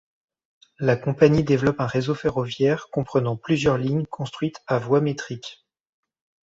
La compagnie développe un réseau ferroviaire comprenant plusieurs lignes construites à voie métrique.